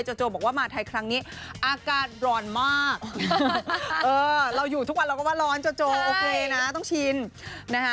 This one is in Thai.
โจบอกว่ามาไทยครั้งนี้อากาศร้อนมากเราอยู่ทุกวันเราก็ว่าร้อนโจโจโอเคนะต้องชินนะฮะ